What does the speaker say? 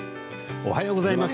おはようございます。